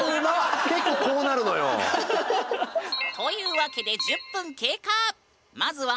結構こうなるのよ。というわけで１０分経過！